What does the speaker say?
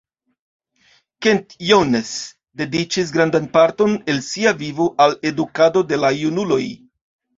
Kent Jones dediĉis grandan parton el sia vivo al edukado de la junuloj.